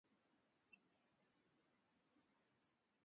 aada ya kuibuka kwa mvutano baina yake nao